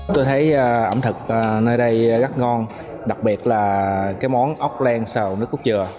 tôi thấy ẩm thực nơi đây rất ngon đặc biệt là cái món ốc lem xào nước cốt dừa